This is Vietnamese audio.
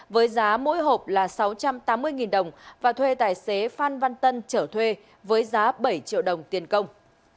với giá mỗi hộp là sáu trăm tám mươi đồng và thuê tài xế phan văn tân trở thuê với giá bảy triệu đồng tiền công